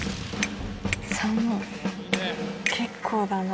結構だな。